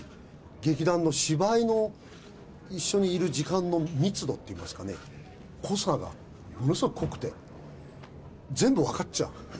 劇団の芝居の、一緒にいる時間の密度っていいますかね、濃さがものすごい濃くて、全部分かっちゃう。